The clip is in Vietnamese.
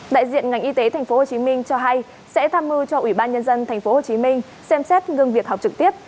đại diện ngành y tế tp hcm cho hay sẽ tham mưu cho ủy ban nhân dân tp hcm xem xét ngừng việc học trực tiếp